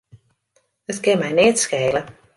It kin my neat skele.